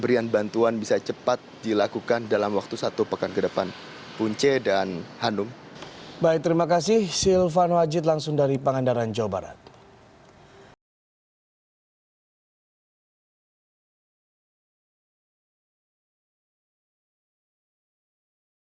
ini juga bisa dihindari seharusnya jika ada zonasi